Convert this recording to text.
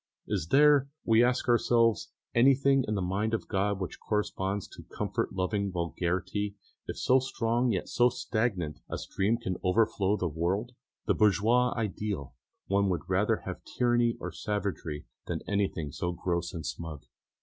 Is there, we ask ourselves, anything in the mind of God which corresponds to comfort loving vulgarity, if so strong and yet so stagnant a stream can overflow the world? The bourgeois ideal! One would rather have tyranny or savagery than anything so gross and smug.